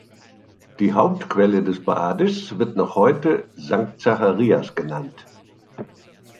Die Hauptquelle des Bades wird noch heute "Sanct Zacharias" genannt.